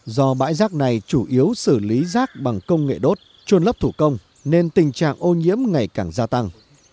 do bãi rác này chủ yếu xử lý rác bằng công nghệ đốt trôn lấp thủ công nên tình trạng ô nhiễm ngày càng gia tăng